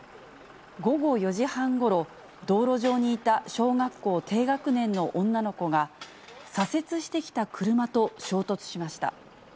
午後４時半ごろ、道路上にいた小学校低学年の女の子が、左折してきた車と衝突しました。